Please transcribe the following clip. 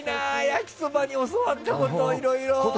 焼きそばに教わったこといろいろ。